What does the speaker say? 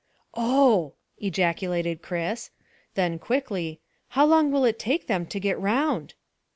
"Oh!" ejaculated Chris. Then quickly, "How long will it take them to get round?"